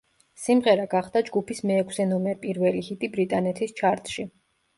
სიმღერა გახდა ჯგუფის მეექვსე ნომერ პირველი ჰიტი ბრიტანეთის ჩარტში.